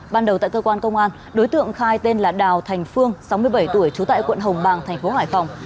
ban đầu tại cơ quan công an đối tượng khai tên là đào thành phương sáu mươi bảy tuổi trú tại quận hồng bàng thành phố hải phòng